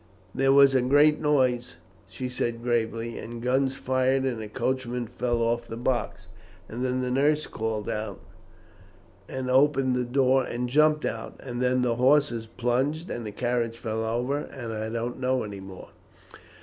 "There was a great noise," she said gravely, "and guns fired, and the coachman fell off the box, and then nurse called out and opened the door and jumped out, and then the horses plunged and the carriage fell over, and I don't know any more."